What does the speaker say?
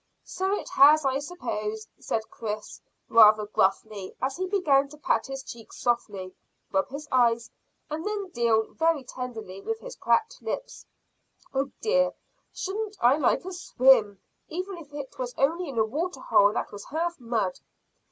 "So it has, I suppose," said Chris, rather gruffly, as he began to pat his cheeks softly, rub his eyes, and then deal very tenderly with his cracked lips. "Oh dear, shouldn't I like a swim, even if it was only in a water hole that was half mud!"